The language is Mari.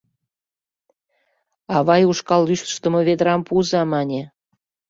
— Авай ушкал лӱштымӧ ведрам пуыза, мане.